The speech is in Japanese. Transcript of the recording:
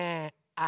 あ！